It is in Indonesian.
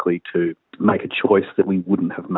pendidikan jadi orang orang tahu